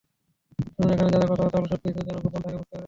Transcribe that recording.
শুনুন, এখানে যা যা কথাবার্তা হলো সবকিছু যেন গোপন থাকে, বুঝতে পেরেছেন?